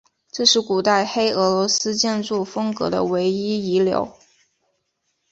这是古代黑俄罗斯建筑风格的唯一遗留。